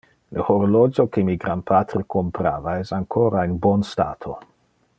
Le horologio que mi granpatre comprava es ancora in bon stato.